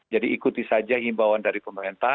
jadi ikuti saja imbauan dari pemerintah